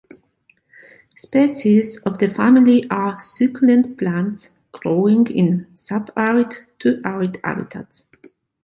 Species of the family are succulent plants, growing in sub-arid to arid habitats.